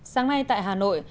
sáng nay tại hà nội